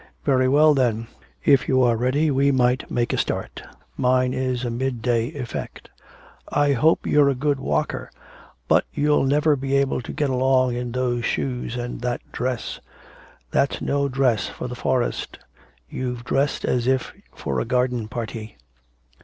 'Very well then. If you are ready we might make a start, mine is a mid day effect. I hope you're a good walker. But you'll never be able to get along in those shoes and that dress that's no dress for the forest. You've dressed as if for a garden party.'